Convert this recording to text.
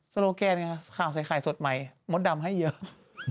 โลแกนไงครับข่าวใส่ไข่สดใหม่มดดำให้เยอะ